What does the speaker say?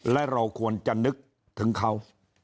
และเราควรจะนึกถึงเขา